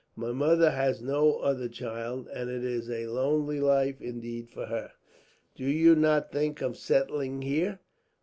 My mother has no other child, and it is a lonely life, indeed, for her." "Do you not think of settling here?"